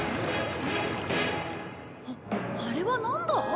あっあれはなんだ？